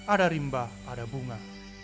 ada rimba ada bunga